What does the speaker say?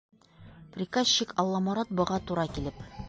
Приказчик Алламорат быға тура килеп: